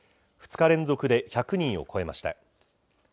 ２日連続で１００人を超えました。